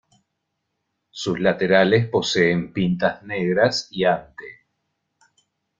Sus laterales poseen pintas negras y ante.